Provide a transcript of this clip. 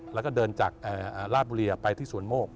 แล้วก็เดินจากราชบุรีไปที่สวนโมก